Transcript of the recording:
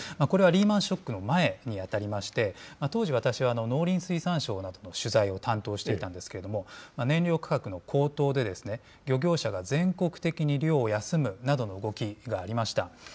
これはリーマンショックの前に当たりまして、当時、私は農林水産省などの取材を担当していたんですけれども、燃料価格の高騰で、漁業者が全国的に漁を休むなどの動きがありました。